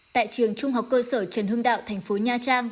tại trường trung học cơ sở trần hưng đạo thành phố nha trang